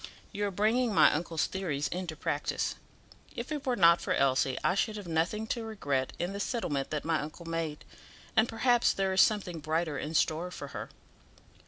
"You are bringing my uncle's theories into practice. If it were not for Elsie I should have nothing to regret in the settlement that my uncle made; and, perhaps, there is something brighter in store for her."